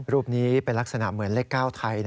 รูปนี้เป็นลักษณะเหมือนเลข๙ไทย